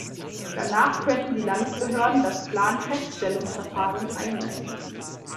Danach könnten die Landesbehörden das Planfeststellungsverfahren einleiten.